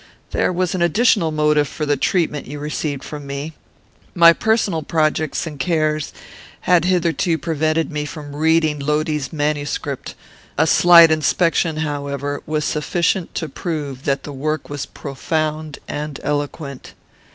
"There was an additional motive for the treatment you received from me. My personal projects and cares had hitherto prevented me from reading Lodi's manuscript; a slight inspection, however, was sufficient to prove that the work was profound and eloquent.